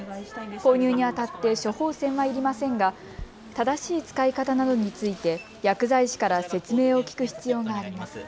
購入にあたって処方箋はいりませんが正しい使い方などについて薬剤師から説明を聞く必要があります。